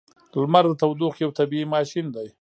• لمر د تودوخې یو طبیعی ماشین دی.